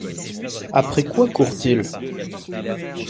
Après quoi courent-ils?